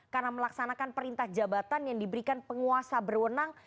karena melaksanakan perintah jabatan yang diberikan penguasa berwenang